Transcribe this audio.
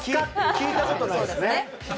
聞いたことないですよね。